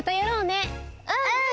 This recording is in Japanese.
うん！